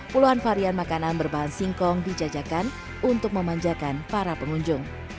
puluhan varian makanan berbahan singkong dijajakan untuk memanjakan para pengunjung